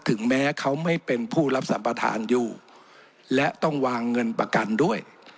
ถึงแม้เขาไม่เป็นผู้รับสัมประธานอยู่และต้องวางเงินประกันด้วย